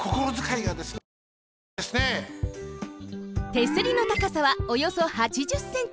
手すりのたかさはおよそ８０ｃｍ。